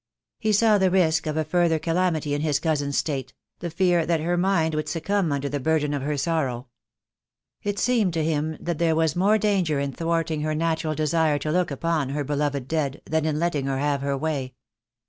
He saw the risk of a further calamity in his cousin's state — the fear that her mind would succumb under the burden of her sorrow. It seemed to him that there was more danger in thwarting her natural desire to look upon her beloved dead than in letting her have her way.